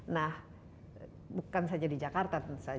nah bukan saja di jakarta tentu saja